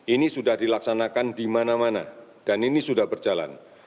ini sudah dilaksanakan di mana mana dan ini sudah berjalan